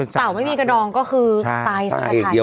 สัตว์ไม่มีกระดองก็คือภาคศัตริย์